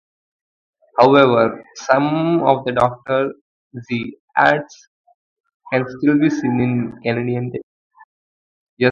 However, some of the Doctor Z ads can still be seen in Canadian television.